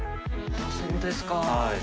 そうですか。